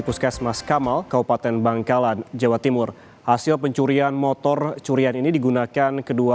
puskesmas kamal kabupaten bangkalan jawa timur hasil pencurian motor curian ini digunakan kedua